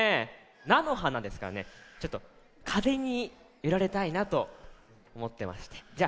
なのはなですからねちょっとかぜにゆられたいなとおもってましてじゃ